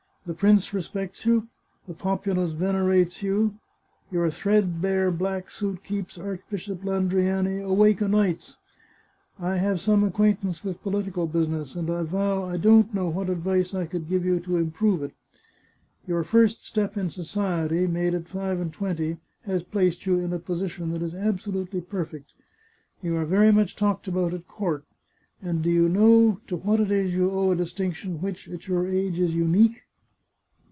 The prince respects you. The populace venerates you. Your threadbare black suit keeps Arch bishop Landriani awake o' nights. I have some acquaint 493 The Chartreuse of Parma ance with political business, and I vow I don't know what advice I could give you to improve it. Your first step in society, made at five and twenty, has placed you in a posi tion that is absolutely perfect. You are very much talked about at court, And do you know to what it is you owe a distinction which, at your age, is unique